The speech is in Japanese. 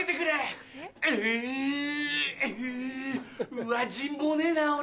うわ人望ねえな俺。